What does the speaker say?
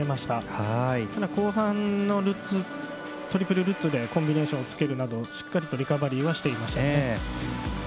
ただ後半のトリプルルッツでコンビネーションをつけるなどしっかりとリカバリーをしていました。